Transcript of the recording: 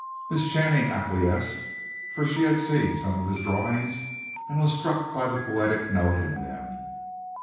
Miss Channing acquiesced, for she had seen some of his drawings and was struck by the poetic note in them.